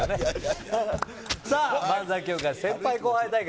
さあ、漫才協会先輩後輩対決。